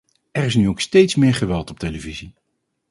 Er is nu ook steeds meer geweld op televisie.